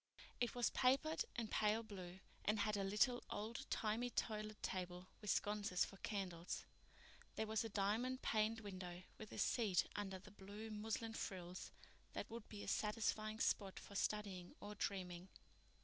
It was papered in pale blue and had a little, old timey toilet table with sconces for candles. There was a diamond paned window with a seat under the blue muslin frills that would be a satisfying spot for studying or dreaming.